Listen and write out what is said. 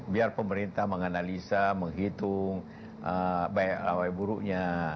biar pemerintah menganalisa menghitung baik baik buruknya